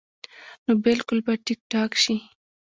نو بالکل به ټيک ټاک شي -